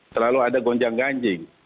selalu ada gonjang ganjing